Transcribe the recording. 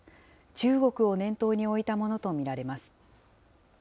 中国を念頭に置いたものと見られます。